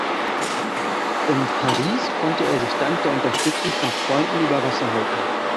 In Paris konnte er sich dank der Unterstützung von Freunden über Wasser halten.